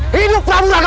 hidup prabu rangabwana